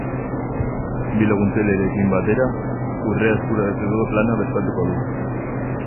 Bi laguntzailerekin batera, urrea eskuratzeko plana prestatuko du.